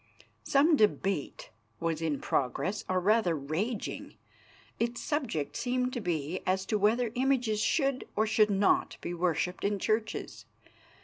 Some debate was in progress, or rather raging. Its subject seemed to be as to whether images should or should not be worshipped in churches.